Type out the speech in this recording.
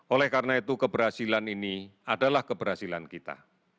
oleh karena itu keberhasilan ini adalah keberhasilan kita